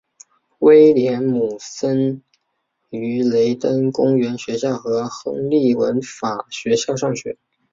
威廉姆森于雷登公园学校和亨利文法学校上学。